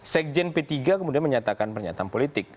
sekjen p tiga kemudian menyatakan pernyataan politik